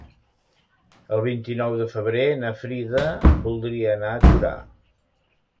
El vint-i-nou de febrer na Frida voldria anar a Torà.